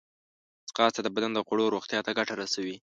ځغاسته د بدن د غړو روغتیا ته ګټه رسوي